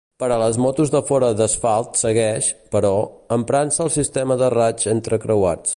Per a les motos de fora d'asfalt segueix, però, emprant-se el sistema de raigs entrecreuats.